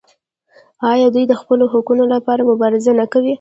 آیا دوی د خپلو حقونو لپاره مبارزه نه کوي؟